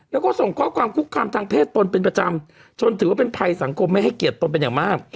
แล้วก็ส่งข้อความคุกคามทางเพศตนเป็นประจำจนถือว่าเป็นภัยสังคมไม่ให้เกียรติตนเป็นอย่างมาก